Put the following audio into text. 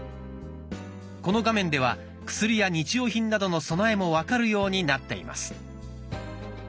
この画面では薬や日用品などの備えも分かるようになっています。